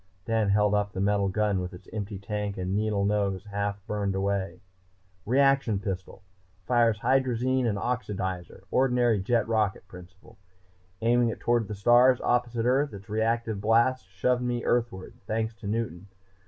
Dan held up the metal gun with its empty tank and needle nose half burned away. "Reaction pistol. Fires hydrazine and oxidizer, ordinary jet rocket principle. Aiming it toward the stars, opposite earth, its reactive blasts shoved me Earthward, thanks to Newton.